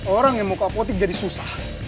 orang yang mau ke apotik jadi susah